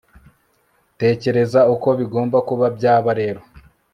tekereza uko bigomba kuba byaba rero